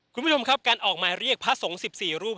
คุณผู้ชมครับการออกหมายเรียกพระสงฆ์๑๔รูป